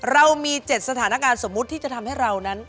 เรามี๗สถานการณ์สมมุติที่จะทำให้เรานั้น